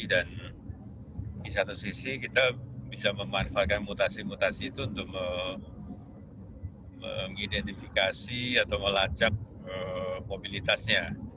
dan di satu sisi kita bisa memanfaatkan mutasi mutasi itu untuk mengidentifikasi atau melacak mobilitasnya